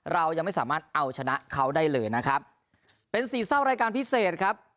เรายังไม่สามารถเอาชนะเขาได้เลยนะครับเป็นสี่เศร้ารายการพิเศษครับ